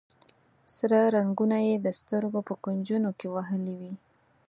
سره رنګونه یې د سترګو په کونجونو کې وهلي وي.